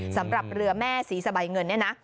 สำหรับเรือแม่ศรีสะใบเงินเนี่ยนะ